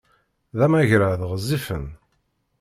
D amagrad ɣezzifen!